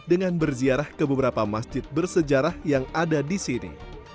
dengan berziarah ke beberapa masjid bersejarah yang ada di sini